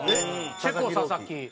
チェコ佐々木。